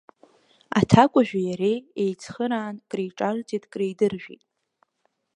Аҭакәажәи иареи еицхыраан, криҿарҵеит, кридыржәит.